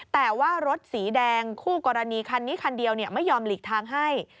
แต่ว่ารถสีแดงคู่กรณีคันนี้คันเดียวไม่ยอมหลีกทางให้